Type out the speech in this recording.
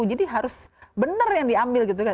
jadi harus benar yang diambil gitu kan